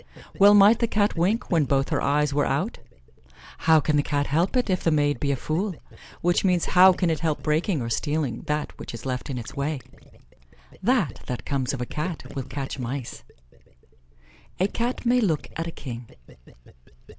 "Well might the Cat wink when both her eyes were out?" "How can the Cat help it, if the maid be a fool?" Which means how can it help breaking or stealing that which is left in its way? "That that comes of a Cat will catch mice." "A Cat may look at a king."